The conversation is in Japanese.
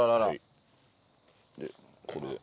でこれで。